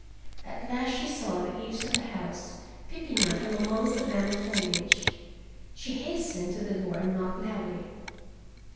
At last she saw the eaves of the house peeping out from amongst the bamboo foliage. She hastened to the door and knocked loudly.